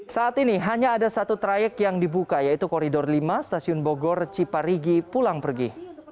saat ini hanya ada satu trayek yang dibuka yaitu koridor lima stasiun bogor ciparigi pulang pergi